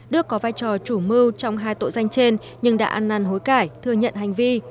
đức có vai trò chủ mưu trong hai tội danh trên nhưng đã ăn năn hối cải thừa nhận hành vi